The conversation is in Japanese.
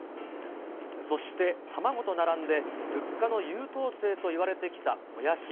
そして、卵と並んで物価の優等生といわれてきたもやし。